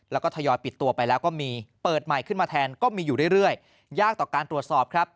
แล้วก็ทยอยปิดตัวไปแล้วก็มีเปิดใหม่ขึ้นมาแทนก็มีอยู่เรื่อยยากต่อการตรวจสอบครับ